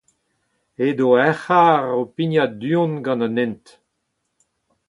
Edo ur c’harr o pignat du-hont gant an hent.